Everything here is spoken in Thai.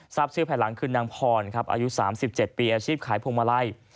ทราบชื่อแผ่นหลังคือนางพรอายุ๓๗ปีอาชีพขายพุงมาลัย